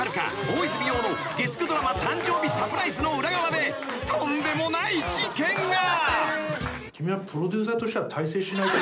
大泉洋の月９ドラマ誕生日サプライズの裏側でとんでもない事件が］